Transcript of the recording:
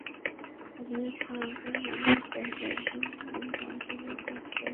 আধুনিক সমাজের নানান চাহিদায় দিন দিন ধ্বংস হয়ে যাচ্ছে মানুষের সহজাত পরার্থপরতা।